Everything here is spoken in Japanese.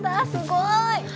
すごーい。